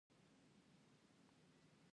ډیجیټل بانکوالي د وخت او انرژۍ سپما ده.